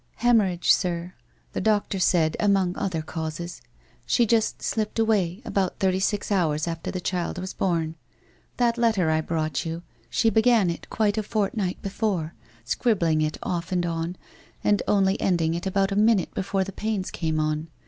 ' Hemorrhage, sir, the doctor said, among other causes. She just slipped away about thirty six hours after the child was born. That letter I brought you, she began it quite a fortnight before, scribbling it off and on, and only ended it about a minute before the pains came on.